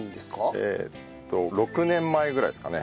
えっと６年前ぐらいですかね。